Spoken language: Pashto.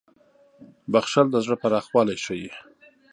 • بښل د زړه پراخوالی ښيي.